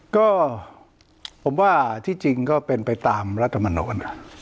ก็ผมว่าที่จริงก็เป็นไปตามรัฐมนตร์นะอืม